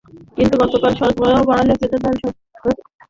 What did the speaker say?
কিন্তু গতকাল সরবরাহ বাড়লেও ক্রেতাদের চাহিদা বেশি থাকায় শাকসবজির দাম কমেনি।